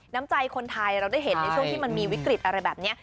น้ำใจคนไทยเราได้เห็นในช่วงที่มันมีวิกฤตอะไรแบบนี้